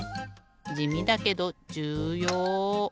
じみだけどじゅうよう！